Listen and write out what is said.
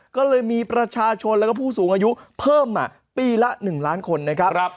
ก็เลยมีประชาชนแล้วก็ผู้สูงอายุเพิ่มปีละ๑ล้านคนนะครับ